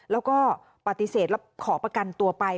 แล้วก็ปฏิเสธแล้วขอประกันตัวไป